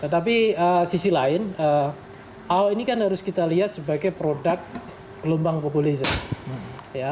tetapi sisi lain ahok ini kan harus kita lihat sebagai produk gelombang populisme